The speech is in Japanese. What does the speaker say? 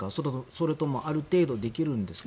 それともある程度できるんですか。